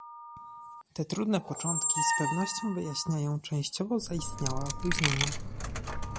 Te trudne początki z pewnością wyjaśniają częściowo zaistniałe opóźnienie